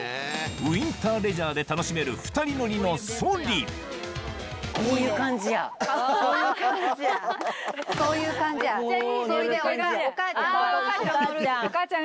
ウインターレジャーで楽しめる２人乗りのソリお母ちゃん